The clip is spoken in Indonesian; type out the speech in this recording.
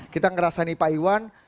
kita ngerasain pak iwan